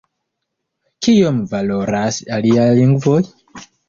Kiom valoras “aliaj lingvoj?